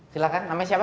silahkan namanya siapa